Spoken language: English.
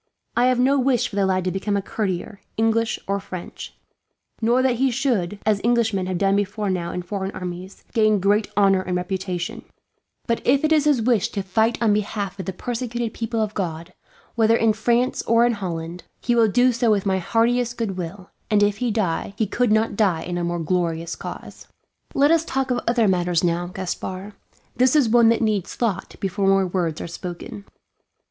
I have no wish for the lad to become a courtier, English or French; nor that he should, as Englishmen have done before now in foreign armies, gain great honour and reputation; but if it is his wish to fight on behalf of the persecuted people of God, whether in France or in Holland, he will do so with my heartiest goodwill; and if he die, he could not die in a more glorious cause. "Let us talk of other matters now, Gaspard. This is one that needs thought before more words are spoken."